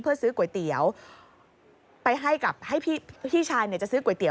เพื่อซื้อก๋วยเตี๋ยวไปให้กับให้พี่ชายเนี่ยจะซื้อก๋วเตี๋